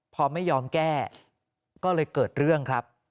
พอไม่ยอมแก้ก็เลยเกิดเรื่องครับ